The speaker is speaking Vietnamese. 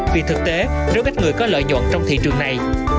vì thực tế rất ít người có lợi nhuận trong thị trường này